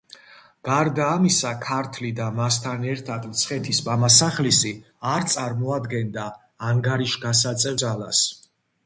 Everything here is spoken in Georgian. გარდა ამისა, ქართლი და მასთან ერთად მცხეთის მამასახლისი არ წარმოადგენდა ანგარიშგასაწევ ძალას.